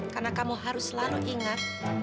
karena kamu harus selalu ingat